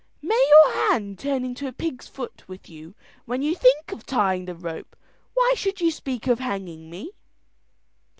"May your hand turn into a pig's foot with you when you think of tying the rope; why should you speak of hanging me?"